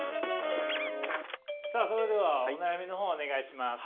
さあそれではお悩みの方お願いします。